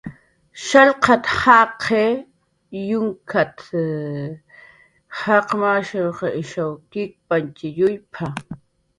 "Shallqat"" jaqiq yunkat"" jaqiwsh ishaw kikip""tx yuyp""a "